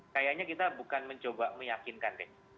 kayaknya kita bukan mencoba meyakinkan deh